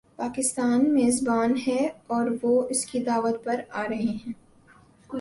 پاکستان میزبان ہے اور وہ اس کی دعوت پر آ رہے ہیں۔